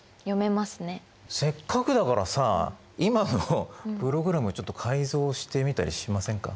せっかくだからさ今のプログラムちょっと改造してみたりしませんか。